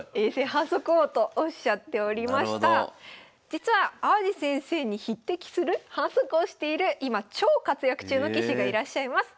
実は淡路先生に匹敵する反則をしている今超活躍中の棋士がいらっしゃいます。